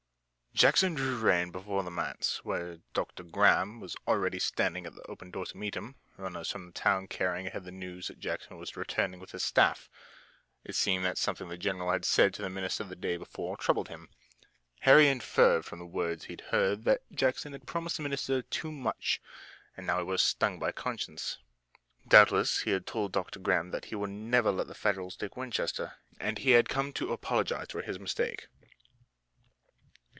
Jackson drew rein before the manse, where Dr. Graham was already standing at the open door to meet him, runners from the town carrying ahead the news that Jackson was returning with his staff. It seemed that something the general had said to the minister the day before troubled him. Harry inferred from the words he heard that Jackson had promised the minister too much and now he was stung by conscience. Doubtless he had told Dr. Graham that he would never let the Federals take Winchester, and he had come to apologize for his mistake.